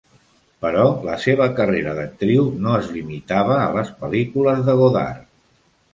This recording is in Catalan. Però la seva carrera d'actriu no es limitava a les pel·lícules de Godard.